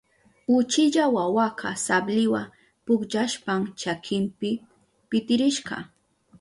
Uchilla wawaka sabliwa pukllashpan chakinpi pitirishka.